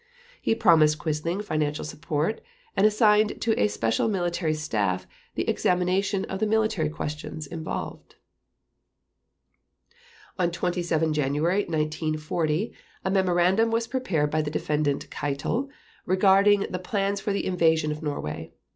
He promised Quisling financial support, and assigned to a special military staff the examination of the military questions involved. On 27 January 1940 a memorandum was prepared by the Defendant Keitel regarding the plans for the invasion of Norway.